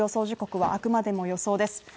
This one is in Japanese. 時刻はあくまでも予想です